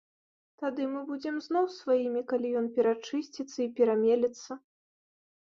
Тады мы будзем зноў сваімі, калі ён перачысціцца і перамелецца.